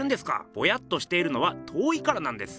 ぼやっとしているのは遠いからなんです。